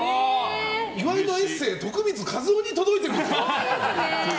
岩井のエッセー徳光和夫に届いてるんですか。